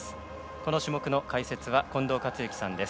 この種目の解説は近藤克之さんです。